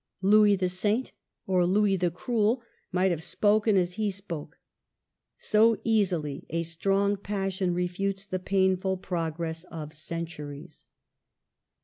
Louis the Saint or Louis the Cruel might have spoken as he spoke. So easily a strong passion refutes the painful progress of centuries.